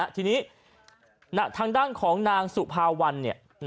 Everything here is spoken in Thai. ทีนี้ทางด้านของนางสุภาวัน